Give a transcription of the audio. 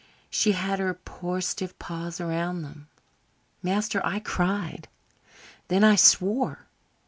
She had her poor stiff claws around them. Master, I cried. Then I swore.